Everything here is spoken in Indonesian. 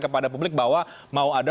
kepada publik bahwa mau ada